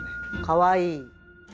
かわいい。